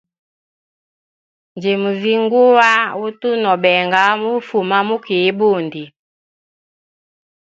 Ndimuzinguwa utu no benga ufuma mu kii ibundi.